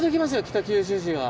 北九州市が。